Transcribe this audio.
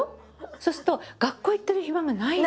そうすると学校行ってる暇がないのよ。